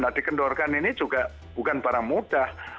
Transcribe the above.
nah dikendorkan ini juga bukan barang mudah